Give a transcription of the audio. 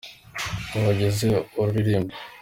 Wogeze ururirimbo